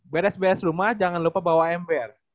beres beres rumah jangan lupa bawa ember